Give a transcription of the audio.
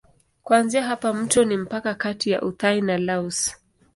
Kuanzia hapa mto ni mpaka kati ya Uthai na Laos.